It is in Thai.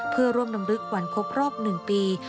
เพื่อร่วมลำลึกวันครบรอบ๑ปี